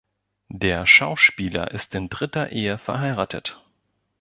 Der Schauspieler ist in dritter Ehe verheiratet.